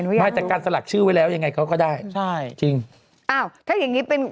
ไม่จากการสลักชื่อไว้แล้วยังไงเขาก็ได้ใช่จริงอ้าวถ้าอย่างงี้เป็น